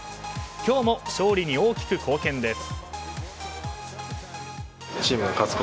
今日も勝利に大きく貢献です。